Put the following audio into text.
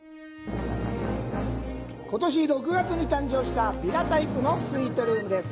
ことし６月に誕生したヴィラタイプのスイートルームです。